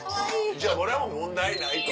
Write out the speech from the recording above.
じゃあ俺は問題ないと。